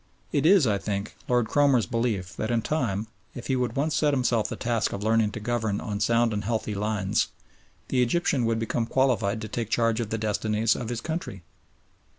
It is, I think, Lord Cromer's belief that in time, if he would once set himself the task of learning to govern on sound and healthy lines, the Egyptian would become qualified to take charge of the destinies of his country.